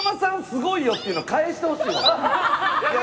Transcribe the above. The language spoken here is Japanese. すごいよ」っていうの返してほしいわホンマ。